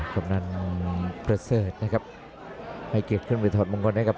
กำนันประเสริฐนะครับให้เกียรติขึ้นไปถอดมงคลให้กับ